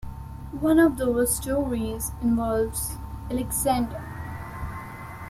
One of those stories involves Alexander.